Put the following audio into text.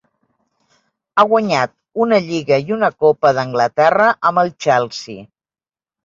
Ha guanyat una Lliga i una Copa d'Anglaterra amb el Chelsea.